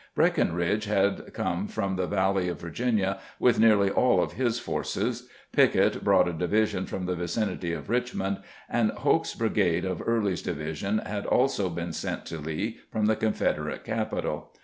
Breckinridge had come from the val ley of Virginia with nearly all of his forces; Pickett brought a division from the vicinity of Richmond ; and Hoke's brigade of Early's division had also been sent to Lee from the Confederate capital.